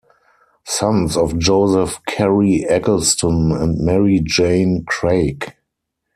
Sons of Joseph Cary Eggleston and Mary Jane Craig.